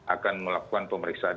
akan melakukan pemeriksaan